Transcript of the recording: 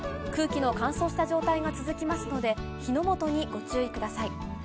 空気の乾燥した状態が続きますので、火の元にご注意ください。